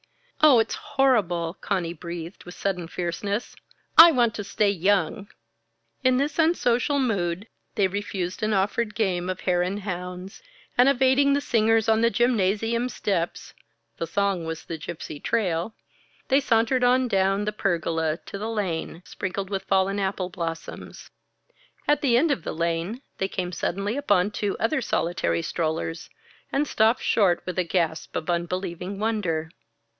"Oh, it's horrible!" Conny breathed with sudden fierceness. "I want to stay young!" In this unsocial mood, they refused an offered game of hare and hounds, and evading the singers on the gymnasium steps the song was the "Gypsy Trail" they sauntered on down the pergola to the lane, sprinkled with fallen apple blossoms. At the end of the lane, they came suddenly upon two other solitary strollers, and stopped short with a gasp of unbelieving wonder.